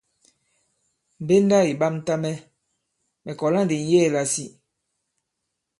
Mbenda ì ɓamta mɛ̀, mɛ̀ kɔ̀la ndi ŋ̀yeē lasi.